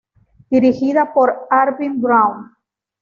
Dirigida por Arvin Brown.